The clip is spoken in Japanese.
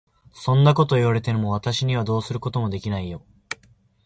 そんなことを言われても、私にはどうすることもできないよ。